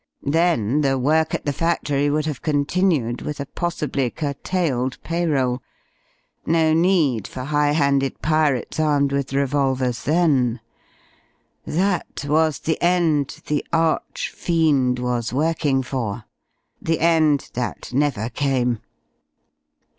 Then the work at the factory would have continued, with a possibly curtailed payroll. No need for high handed pirates armed with revolvers then. That was the end the arch fiend was working for. The end that never came."